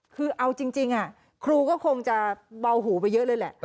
คือเอาจริงครูก็คงจะเบาหูไปเยอะเลยแหละ